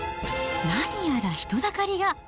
何やら人だかりが。